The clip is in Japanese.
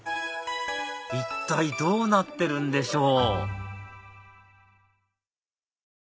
一体どうなってるんでしょう？